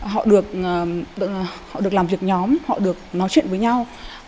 họ được làm việc nhóm họ được nói chuyện với nhau